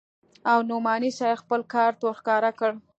او نعماني صاحب خپل کارت ورښکاره کړ.